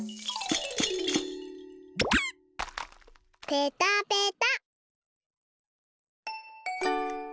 ペタペタ。